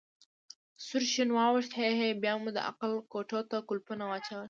سور شین واوښت: هی هی، بیا مو د عقل کوټو ته کولپونه واچول.